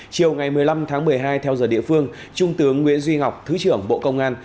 chiều ngày một mươi năm tháng một mươi hai theo giờ địa phương trung tướng nguyễn duy ngọc thứ trưởng bộ công an